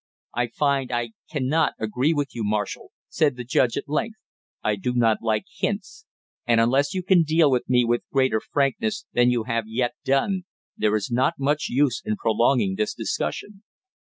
"I find I can not agree with you, Marshall!" said the judge at length. "I do not like hints, and unless you can deal with me with greater frankness than you have yet done, there is not much use in prolonging this discussion."